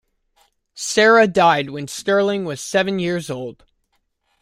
Sarah died when Sterling was seven years old.